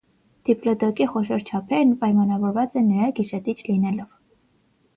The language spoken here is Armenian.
Դիպլոդոկի խոշոր չափերը պայմանավորված է նրա գիշատիչ լինելով։